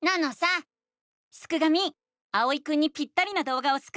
あおいくんにぴったりなどうがをスクってあげて！